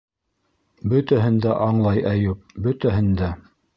Бөтәһен дә аңлай Әйүп, бөтәһен дә.